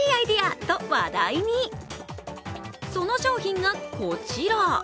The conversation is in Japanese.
その商品がこちら。